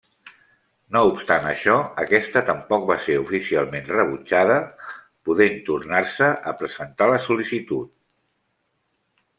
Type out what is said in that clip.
No obstant això, aquesta tampoc va ser oficialment rebutjada, podent tornar-se a presentar la sol·licitud.